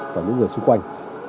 và những người xung quanh